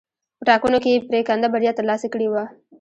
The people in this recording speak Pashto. په ټاکنو کې یې پرېکنده بریا ترلاسه کړې وه.